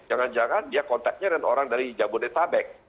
jangan jangan dia kontaknya dengan orang dari jabodetabek